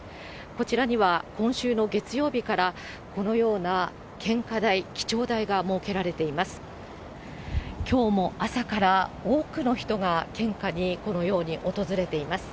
こちらには今週の月曜日からこのような献花台、記帳台が設けられています。